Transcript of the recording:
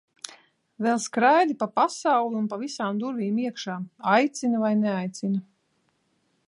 Vēl skraidi pa pasauli un pa visām durvīm iekšā, aicina vai neaicina.